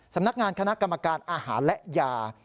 สำนักงานคณะกรรมการอาหารและยา